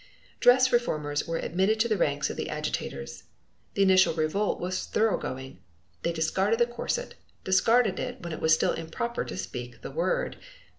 Dress reformers were admitted to the ranks of the agitators. The initial revolt was thoroughgoing. They discarded the corset, discarded it when it was still improper to speak the word!